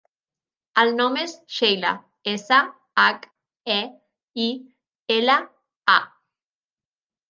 El nom és Sheila: essa, hac, e, i, ela, a.